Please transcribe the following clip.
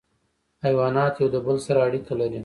حیوانات سره یو بل سره اړیکه لري.